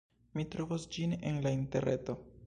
Mi trovos ĝin en la Interreto.